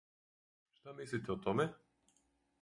Шта мислите о томе?